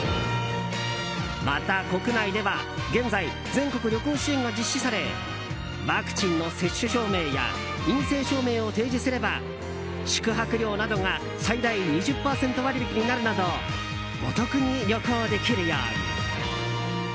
また、国内では現在全国旅行支援が実施されワクチンの接種証明や陰性証明を提示すれば宿泊料などが最大２０％割引きになるなどお得に旅行できるように。